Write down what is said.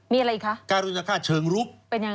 มีอะไรอีกคะการ๔๒เชิงรุก